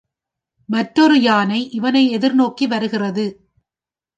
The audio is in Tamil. ம்ற்றொரு யானை இவனை எதிர்நோக்கி வருகிறது.